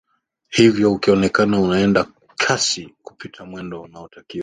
hivyo ukionekana unaenda kasi kupita mwendo unaotakiwa